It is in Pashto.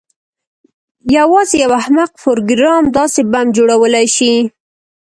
یوازې یو احمق پروګرامر داسې بم جوړولی شي